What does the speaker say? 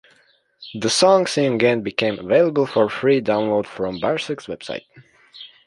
The song "Sing Again" became available for free download from Barsuk's website.